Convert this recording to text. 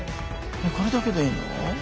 これだけでいいの？